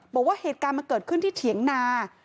บอกว่าเหตุการณ์มันเกิดขึ้นที่เถียงนา